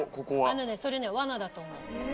あのねそれね罠だと思う。